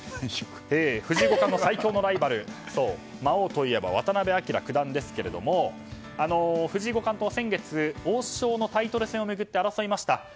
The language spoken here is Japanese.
藤井五冠の最強のライバル魔王といえば渡辺明九段ですけれども藤井五冠と先月、王将のタイトル戦を巡って争いました。